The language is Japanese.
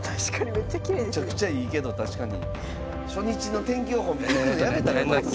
めちゃくちゃいいけど確かに。